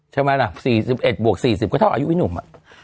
ใช่ไหมล่ะ๔๑บวก๔๐ก็เท่าอายุพี่หนุ่ม